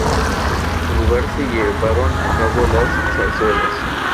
En su lugar se llevaron a cabo las zarzuelas.